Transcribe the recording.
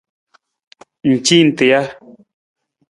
Ng ci nta ja?